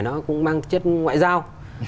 nó cũng mang chất ngoại giao